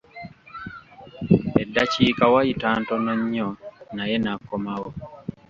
Eddakiika wayita ntono nnyo naye n'akomawo.